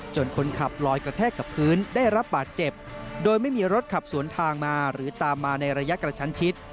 คนขับลอยกระแทกกับพื้นได้รับบาดเจ็บโดยไม่มีรถขับสวนทางมาหรือตามมาในระยะกระชั้นชิด